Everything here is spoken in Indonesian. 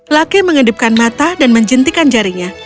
lucky mengedipkan mata dan menjentikan jarinya